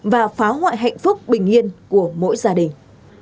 và phá hoại hạnh phúc bình yên của mỗi gia đình